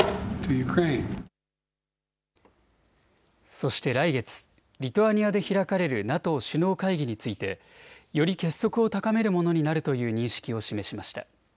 そして来月、リトアニアで開かれるＮＡＴＯ首脳会議について、より結束を高めるものになるという認識を示しました。